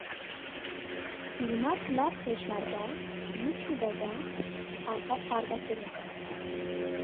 Fîlma Silav Pêşmerge di Youtubeê de hate parvekirin.